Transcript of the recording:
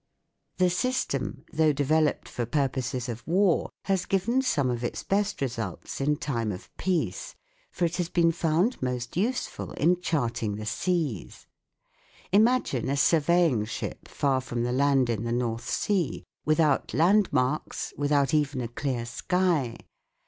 The system, though developed for purposes of war, has given some of its best results in time of peace, for it has been found most useful in charting the seas, Imagine a surveying ship far from the land in the North Sea, without landmarks, without even a clear sky.